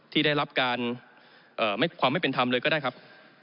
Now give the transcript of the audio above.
ที่ได้รับการความไม่เป็นธรรมเลยก็ได้ครับ